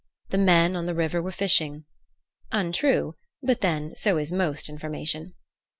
The men on the river were fishing. (Untrue; but then, so is most information.)